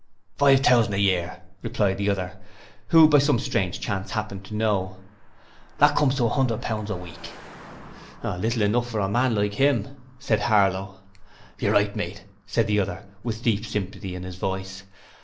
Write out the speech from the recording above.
'Five thousand a year,' replied the other, who by some strange chance happened to know. 'That comes to a 'underd pounds a week.' 'Little enough, too, for a man like 'im,' said Harlow. 'You're right, mate,' said the other, with deep sympathy in his voice.